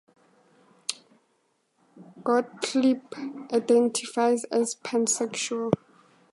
Gottlieb identifies as pansexual.